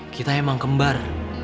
kita emang kembar